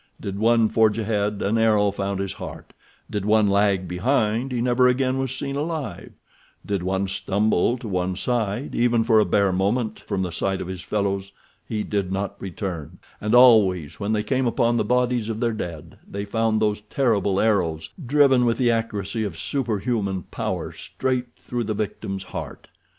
Did one forge ahead an arrow found his heart; did one lag behind he never again was seen alive; did one stumble to one side, even for a bare moment from the sight of his fellows, he did not return—and always when they came upon the bodies of their dead they found those terrible arrows driven with the accuracy of superhuman power straight through the victim's heart.